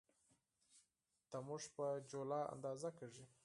تودوخه په جولا اندازه کېږي.